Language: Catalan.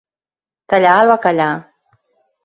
Tallar el bacallà.